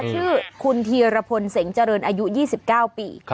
ชื่อคุณธีรพลเสงเจริญอายุ๒๙ปี